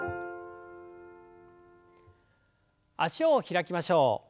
脚を開きましょう。